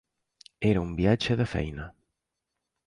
Era un viatge de feina.